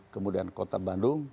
kemudian kota bandung